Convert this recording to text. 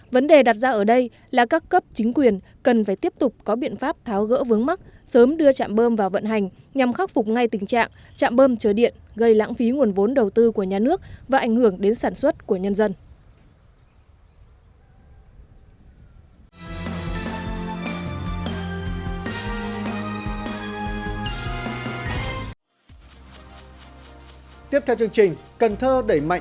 vấn đề đặt ra ở đây là các cấp chính quyền cần phải tiếp tục có biện pháp tháo gỡ vướng mắt sớm đưa trạm bơm vào vận hành nhằm khắc phục ngay tình trạng trạm bơm chở điện gây lãng phí nguồn vốn đầu tư của nhà nước và ảnh hưởng đến sản xuất của nhân dân